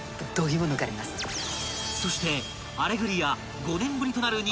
［そして『アレグリア』］